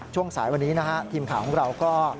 ช่วงสายวันนี้นะฮะทีมข่าวของเราก็